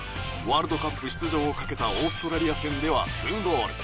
ワールドカップ出場をかけたオーストラリア戦では２ゴール。